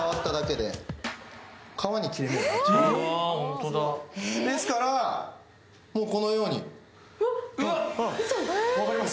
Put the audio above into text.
ですから、もうこのように、分かります？